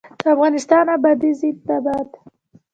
د افغانستان ابادي زنده باد.